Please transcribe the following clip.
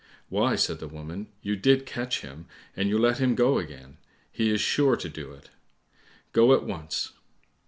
"Why," said the woman, "you did catch him, and you let him go again; he is sure to do it. Go at once."